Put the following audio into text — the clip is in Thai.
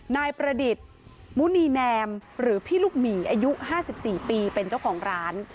นายประดิษฐ์มุนีแนมหรือพี่ลูกหมีอายุ๕๔ปีเป็นเจ้าของร้าน